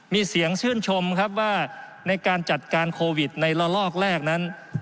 มีเสียงชื่นชมครับว่าในการจัดการโควิดในละลอกแรกนั้น